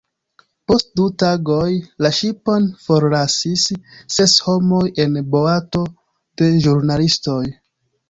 Post du tagoj la ŝipon forlasis ses homoj en boato de ĵurnalistoj.